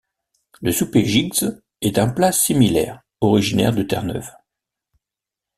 Le souper Jiggs est un plat similaire, originaire de Terre-Neuve.